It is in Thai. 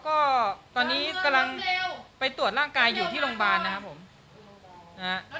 ก็ตอนนี้กำลังไปตรวจร่างกายอยู่ที่โรงพยาบาลนะครับผมนะฮะ